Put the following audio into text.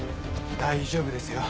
大丈夫ですよ。